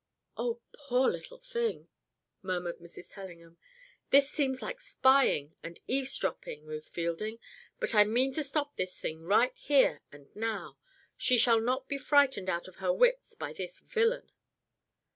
"Oh, poor little thing," murmured Mrs. Tellingham. "This seems like spying and eavesdropping, Ruth Fielding; but I mean to stop this thing right here and now. She shall not be frightened out of her wits by this villain."